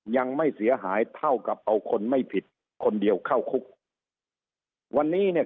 ยังไม่เสียหายเท่ากับเอาคนไม่ผิดคนเดียวเข้าคุกวันนี้เนี่ย